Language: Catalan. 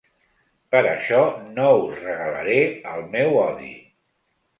Per això no us regalaré el meu odi.